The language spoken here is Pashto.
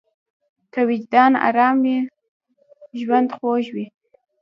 که وجدان ارام وي، ژوند خوږ وي.